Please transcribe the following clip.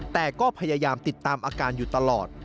แต่ก็พยายามติดตามอาการอยู่ตลอด